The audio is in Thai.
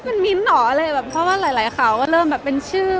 มันมิ้นเหรออะไรแบบเพราะว่าหลายหลายข่าวก็เริ่มแบบเป็นชื่อ